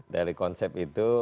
dari konsep itu